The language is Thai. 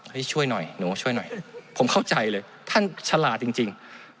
ช่วยหน่อยหนูช่วยหน่อยผมเข้าใจเลยท่านฉลาดจริง